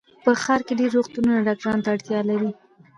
په دې ښار کې ډېر روغتونونه ډاکټرانو ته اړتیا لري